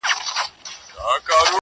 نو موږ به یې خبرو ته